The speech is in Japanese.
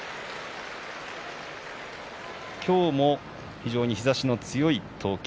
今日も非常に日ざしの強い東京。